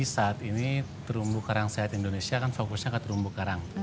saat ini terumbu karang sehat indonesia kan fokusnya ke terumbu karang